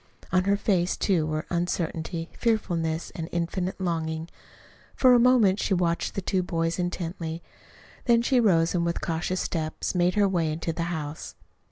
On her face, too, were uncertainty, fearfulness, and infinite longing. For a moment she watched the two boys intently. Then she rose and with cautious steps made her way into the house.